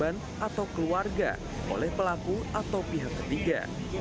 dan korban atau keluarga oleh pelaku atau pihak ketiga